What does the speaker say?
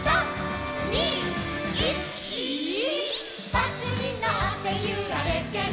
「バスにのってゆられてる」